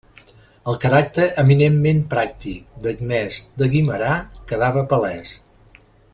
El caràcter eminentment pràctic d'Agnès de Guimerà quedava palès.